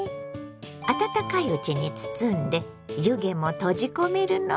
温かいうちに包んで湯気も閉じ込めるのがポイント。